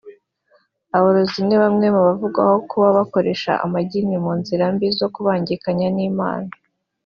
abarozi ni bamwe mu bavugwaho kuba bakoresha amagini mu nzira mbi zo kubangikanya Imana